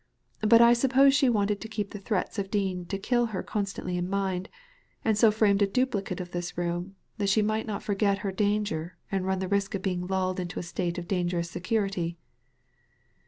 But I suppose she wanted to keep the threats of Dean to kill her constantly in mind, and so framed a duplicate of this room, that she might not forget her danger and run the risk of being lulled into a state of dangerous security."